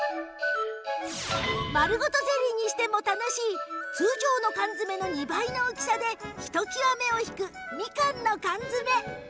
丸ごとゼリーにしても楽しい通常の缶詰の２倍の大きさでひときわ目を引くみかんの缶詰